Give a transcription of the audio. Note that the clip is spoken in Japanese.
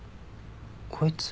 こいつ。